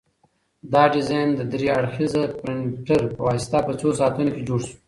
دا ډیزاین د درې اړخیزه پرنټر په واسطه په څو ساعتونو کې جوړ شو.